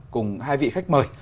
cùng hai vị khách mời